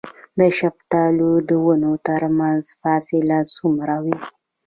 د شفتالو د ونو ترمنځ فاصله څومره وي؟